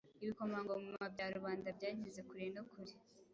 Ibikomangoma bya rubanda byageze kure no kure